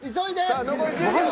さあ残り１０秒。